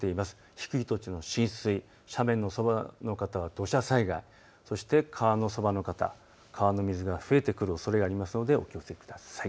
低い土地の浸水、斜面のそばの方は土砂災害、そして川のそばの方、川の水が増えてくるおそれがありますのでお気をつけください。